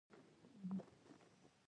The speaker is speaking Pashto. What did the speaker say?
هغه په بېلو رنګونو ککړ کړئ.